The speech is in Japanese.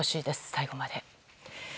最後まで。